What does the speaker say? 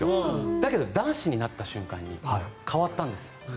だけど、男子になった瞬間に変わったんです。